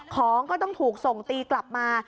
ของก็ต้องถูกส่งตีกลับมา